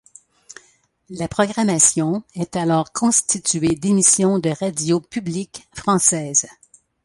La programmation est alors constituée d'émissions de radios publiques françaises.